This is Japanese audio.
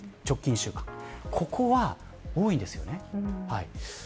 ここは多いんです。